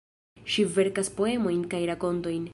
Ŝi verkas poemojn kaj rakontojn.